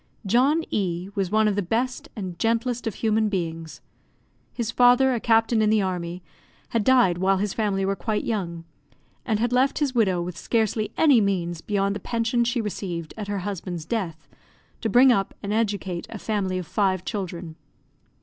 John E was one of the best and gentlest of human beings. His father, a captain in the army, had died while his family were quite young, and had left his widow with scarcely any means beyond the pension she received at her husband's death, to bring up and educate a family of five children.